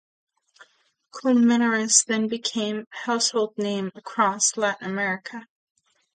Colmenares then became a household name across Latin America.